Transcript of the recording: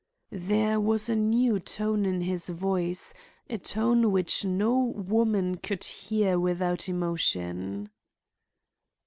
There was a new tone in his voice, a tone which no woman could hear without emotion.